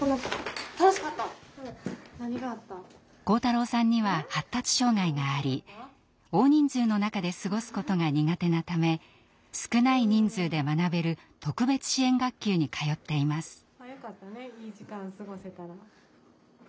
晃太郎さんには発達障害があり大人数の中で過ごすことが苦手なため少ない人数で学べる特別支援学級に通っています。